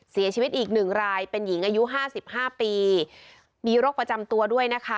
เสียชีวิตอีกหนึ่งรายเป็นหญิงอายุห้าสิบห้าปีมีโรคประจำตัวด้วยนะคะ